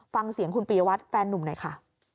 ฟังเสียงคุณปียวัตรแฟนนุ่มหน่อยค่ะ